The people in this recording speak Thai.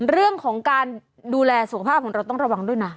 เรื่องของการดูแลสุขภาพของเราต้องระวังด้วยนะ